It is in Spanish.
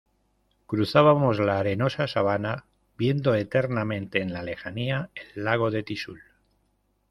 cruzábamos la arenosa sabana, viendo eternamente en la lejanía el lago del Tixul